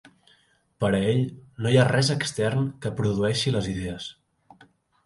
Per a ell, no hi ha res extern que produeixi les idees.